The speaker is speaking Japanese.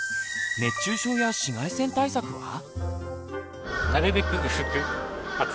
熱中症や紫外線対策は？